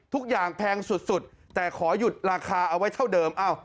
แพงสุดแต่ขอหยุดราคาเอาไว้เท่าเดิม